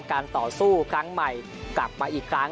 การต่อสู้ครั้งใหม่กลับมาอีกครั้ง